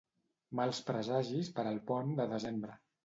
Mals presagis per al pont de desembre.